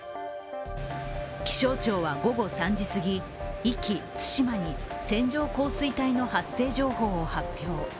気象庁は午後３時すぎ、壱岐・対馬に線状降水帯の発生情報を発表。